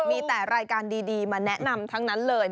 มีแต่รายการดีมาแนะนำทั้งนั้นเลย